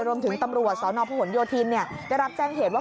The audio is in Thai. รวมถึงตำรวจสพโยธินจะรับแจ้งเหตุว่า